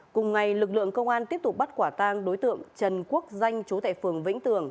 cùng ngày lực lượng công an tiếp tục bắt quả tang đối tượng trần quốc danh chú tại phường vĩnh tường